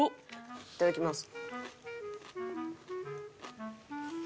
いただきます。